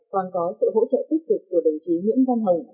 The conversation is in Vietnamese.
còn có sự hỗ trợ tích cực của đồng chí nguyễn văn hồng